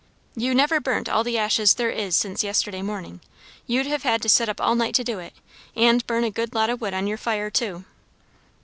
"You never burnt all the ashes there is there since yesterday morning. You'd have had to sit up all night to do it; and burn a good lot o' wood on your fire, too."